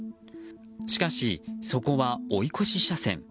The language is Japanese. しかし、そこは追い越し車線。